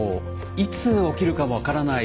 いつ起きるか分からない